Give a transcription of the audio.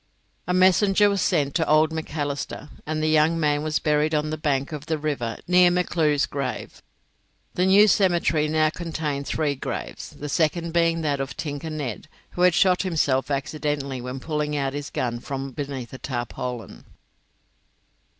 A messenger was sent to old Macalister, and the young man was buried on the bank of the river near McClure's grave. The new cemetery now contained three graves, the second being that of Tinker Ned, who shot himself accidentally when pulling out his gun from beneath a tarpaulin.